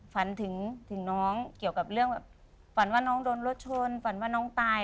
ฝันถึงน้องเกี่ยวกับเรื่องแบบฝันว่าน้องโดนรถชนฝันว่าน้องตาย